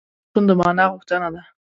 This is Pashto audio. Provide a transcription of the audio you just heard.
دا لټون د مانا غوښتنه ده.